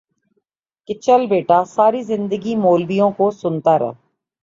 کہ چل بیٹا ساری زندگی مولبیوں کو سنتا رہ